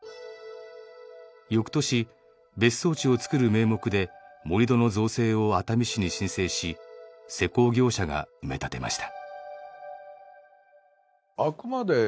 翌年別荘地を造る名目で盛り土の造成を熱海市に申請し施工業者が埋め立てました。